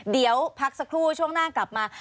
เดี๋ยวพักสักครู่ช่วงหน้ากลับมา